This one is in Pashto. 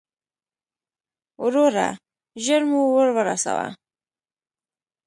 وروره، ژر مو ور ورسوه.